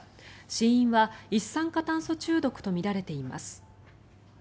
死因は一酸化炭素中毒とみられています。